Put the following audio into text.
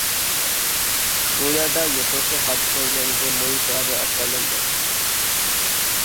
بۇ يەردە يۇقىرىقى ھادىسىنىڭ يەنە بىر مۇھىم سەۋەبى ئاشكارىلىنىدۇ.